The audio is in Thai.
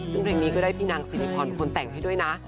ซึ่งเพลงนี้ก็ได้พี่นางสิริพรเป็นคนแต่งให้ด้วยนะ